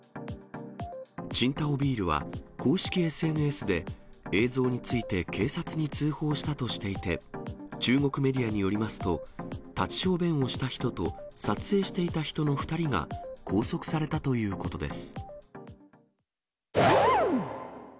青島ビールは、公式ＳＮＳで映像について警察に通報したとしていて、中国メディアによりますと、立ち小便をした人と撮影していた人の２人が拘束されたということです。